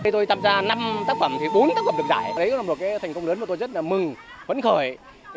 tôi tham gia năm tác phẩm thì bốn tác phẩm được giải đấy là một thành công lớn mà tôi rất là mừng vấn khởi